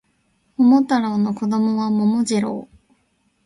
桃太郎の子供は桃次郎